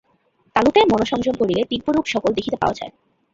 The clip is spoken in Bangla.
তালুতে মনঃসংযম করিলে দিব্যরূপসকল দেখিতে পাওয়া যায়।